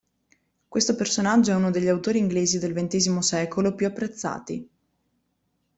Questo personaggio è uno degli autori inglesi del XX secolo più apprezzati.